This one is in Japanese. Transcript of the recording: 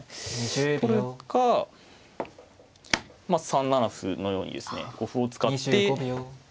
取るかまあ３七歩のようにですね歩を使って。